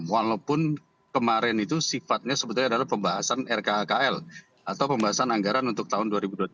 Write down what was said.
walaupun kemarin itu sifatnya sebetulnya adalah pembahasan rkhkl atau pembahasan anggaran untuk tahun dua ribu dua puluh tiga